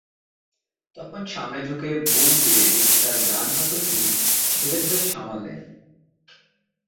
তখন সামনে ঝুঁকে বুক দিয়ে রিকশার ডান হাতলটি ঠেলে ধরে সামাল দেন।